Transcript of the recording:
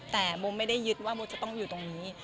แต่มุมไม่ได้ยึดว่ามุดจะต้องอยู่ตรงนี้